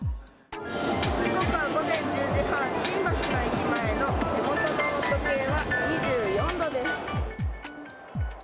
時刻は午前１０時半、新橋の駅前の手元の温度計は２４度です。